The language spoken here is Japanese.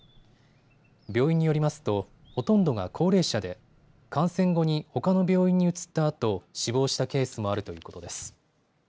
病院によりますとほとんどが高齢者で感染後にほかの病院に移ったあと死亡したケースもあるということです。